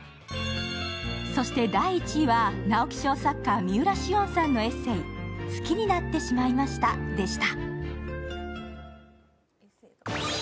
そして第１位は直木賞作家・三浦しをんさんのエッセー「好きになってしまいました」でした。